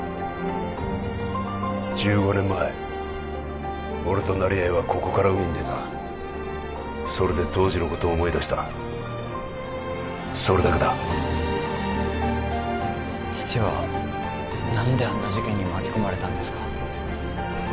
１５年前俺と成合はここから海に出たそれで当時のことを思い出したそれだけだ父は何であんな事件に巻き込まれたんですか？